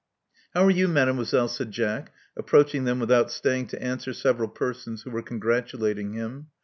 *'How are you. Mademoiselle?" said Jack, approach ing them without staying to answer several persons who were congratulating him.